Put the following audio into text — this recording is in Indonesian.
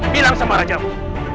bilang sama rajamu